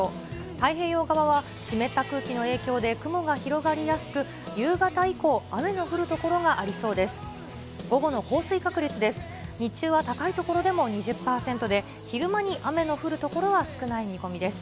太平洋側は湿った空気の影響で雲が広がりやすく、夕方以降、雨の降る所がありそうです。